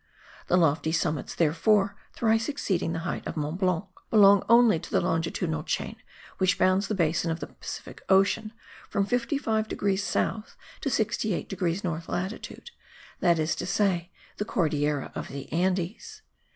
The lofty summits, therefore, thrice exceeding the height of Mont Blanc, belong only to the longitudinal chain which bounds the basin of the Pacific Ocean, from 55 degrees south to 68 degrees north latitude, that is to say, the Cordillera of the Andes.